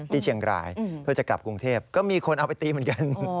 ที่เชียงรายเพื่อจะกลับกรุงเทพก็มีคนเอาไปตีเหมือนกัน